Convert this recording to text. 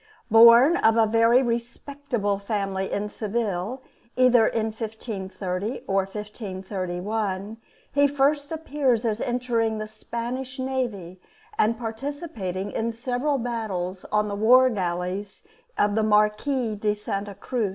Born of a very respectable family in Seville, either in 1530 or 1531, he first appears as entering the Spanish navy, and participating in several battles on the war galleys of the Marquis of Santa Cruz.